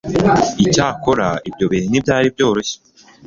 icyakora ibyo bihe ntibyari byoroshye